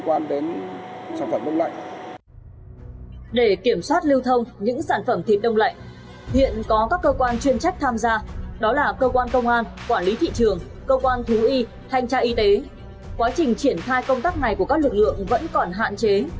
quá trình triển thai công tác này của các lực lượng vẫn còn hạn chế